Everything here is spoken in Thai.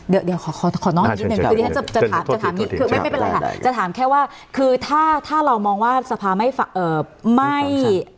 เดี๋ยวขอน้อยนิดนึงจะถามแค่ว่าคือถ้าเรามองว่าสภาไม่ฝังใช้